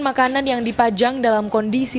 makanan yang dipajang dalam kondisi